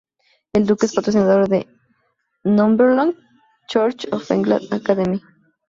El duque es patrocinador de "The Northumberland Church of England Academy".